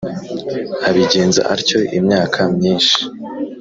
abigenza atyo imyaka myinshi,